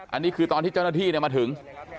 อันนี้คือตอนที่เจ้าหน้าที่มาถึง